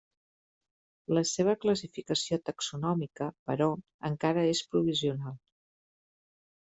La seva classificació taxonòmica, però encara és provisional.